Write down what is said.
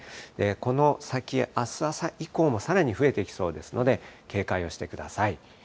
この先、あす朝以降もさらに増えてきそうですので、警戒をしてください。